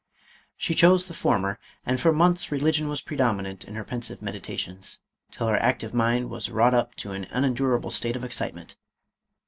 She chose the former, and for months religion was predominant in her pen sive meditations, till her active mind was wrought up to an unendurable state of excitement.